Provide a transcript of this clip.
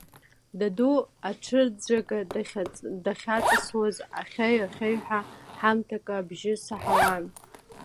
Даду аҿырӡәӡәага дахьаҵасуаз ахьаҩ-ахьаҩҳәа ҳамҭакы абжьы саҳауан.